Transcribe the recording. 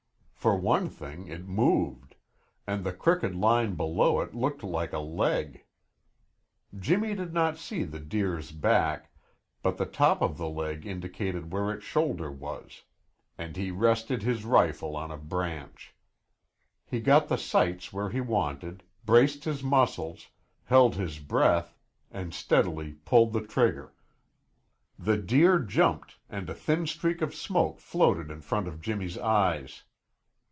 For one thing, it moved, and the crooked line below it looked like a leg. Jimmy did not see the deer's back, but the top of the leg indicated where its shoulder was, and he rested his rifle on a branch. He got the sights where he wanted, braced his muscles, held his breath, and steadily pulled the trigger. The deer jumped and a thin streak of smoke floated in front of Jimmy's eyes.